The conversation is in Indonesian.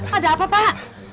ada apa pak